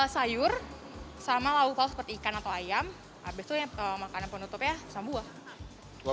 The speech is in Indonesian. sayur sama lauk lauk seperti ikan atau ayam habis itu makanan penutupnya sama buah